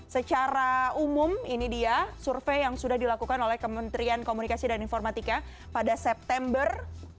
secara umum ini dia survei yang sudah dilakukan oleh kementerian komunikasi dan informatika pada september